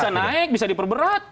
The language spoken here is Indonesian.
bisa naik bisa diperberat